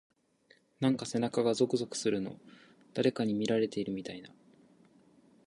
なんか背中がゾクゾクするの。誰かに見られてるみたいな…。